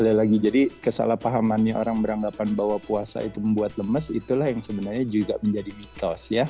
sekali lagi jadi kesalahpahamannya orang beranggapan bahwa puasa itu membuat lemes itulah yang sebenarnya juga menjadi mitos ya